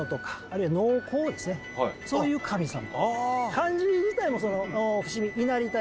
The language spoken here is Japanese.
漢字自体も。